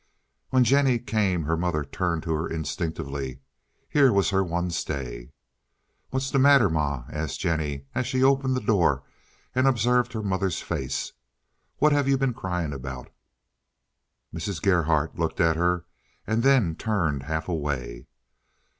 When Jennie came her mother turned to her instinctively; here was her one stay. "What's the matter, ma?" asked Jennie as she opened the door and observed her mother's face. "What have you been crying about?" Mrs. Gerhardt looked at her, and then turned half away.